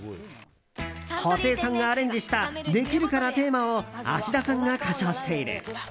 布袋さんがアレンジした「できるかなテーマ」を芦田さんが歌唱している。